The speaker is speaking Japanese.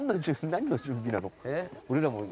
何の準備なの？